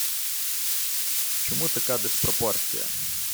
Чому така диспропорція?